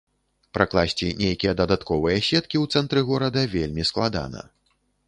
Пракласці нейкія дадатковыя сеткі ў цэнтры горада вельмі складана.